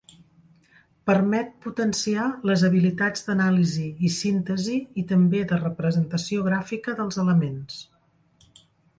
Permet potenciar les habilitats d'anàlisi i síntesi i també de representació gràfica dels elements.